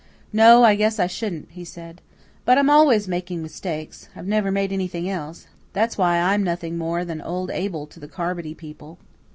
"No, I guess I shouldn't," he said. "But I'm always making mistakes. I've never made anything else. That's why I'm nothing more than 'Old Abel' to the Carmody people.